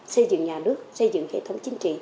xây dựng nhà nước xây dựng hệ thống chính trị